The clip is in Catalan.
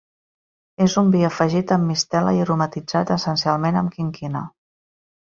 És un vi afegit amb mistela i aromatitzat essencialment amb quinquina.